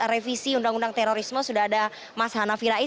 revisi undang undang terorisme sudah ada mas hanafi rais